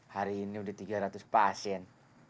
hari ini udah tiga ratus pasien